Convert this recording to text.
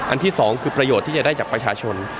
ที่สองคือประโยชน์ที่จะได้จากประชาชน